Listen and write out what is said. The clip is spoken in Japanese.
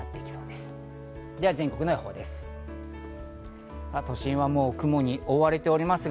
では全国の予報です。